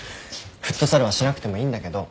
フットサルはしなくてもいいんだけど。